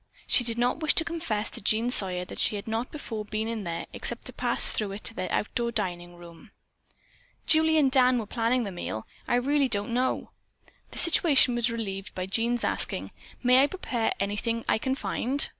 She did not wish to confess to Jean Sawyer that she had not before been in there except to pass through it to their outdoor dining room. "Julie and Dan were planning the meal. I really don't know." The situation was relieved by Jean's asking: "May I prepare anything I can find?"